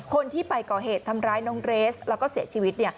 คนที่ไปก่อเหตุทำร้ายน้องเรสแล้วก็เสียชีวิต